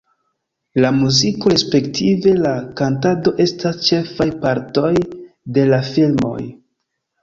La muziko, respektive la kantado estas ĉefaj partoj de la filmoj.